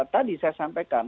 tadi saya sampaikan